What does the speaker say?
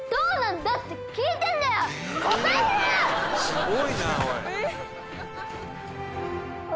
「すごいなおい！」